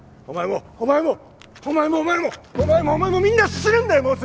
お前もお前もお前もお前もお前もお前もみんな死ぬんだよ